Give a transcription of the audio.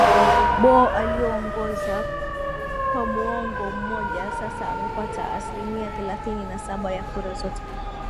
bo aliyeongoza kwa muongo mmoja sasa amepata aslimia thelathini na saba ya kura zote